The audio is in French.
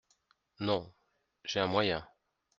Non… j’ai un moyen…